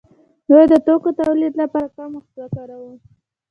دوی د توکو تولید لپاره کم وخت ورکاوه.